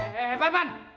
hei pak iman